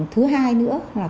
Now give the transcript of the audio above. thứ hai nữa